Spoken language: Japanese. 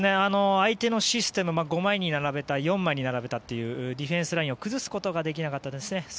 相手のシステム５枚、４枚に並べたディフェンスラインを崩すことができなかったですね。